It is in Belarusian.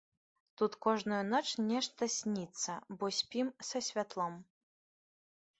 Тут кожную ноч нешта сніцца, бо спім са святлом.